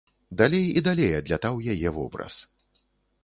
Далей і далей адлятаў яе вобраз.